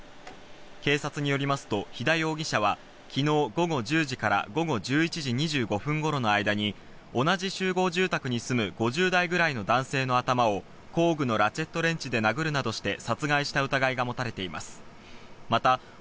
警察によりますと肥田容疑者は昨日午後１０時から午後１１時２５分頃の間に、同じ集合住宅に住む５０代くらいの男性の頭を工具のラチェットレンチで殴るなどして殺害した疑いが持たれています。